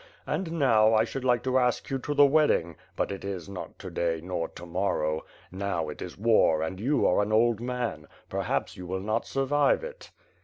And now, I should like to ask you to the wed ding; but it is not to day nor to morrow. Now it is war and you are an old man; perhaps you will not survive it."